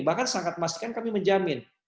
bahkan sangat memastikan kami menjamin